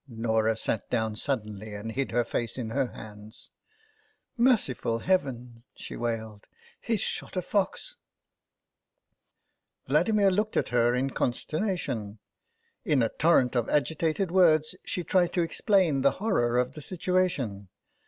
Norah sat down suddenly, and hid her face in her hands. " Merciful Heaven !" she wailed ;" he's shot a fox !" THE BAG 79 Vladimir looked up at her in consternation. In a torrent of agitated words she tried to explain the horror of the situation.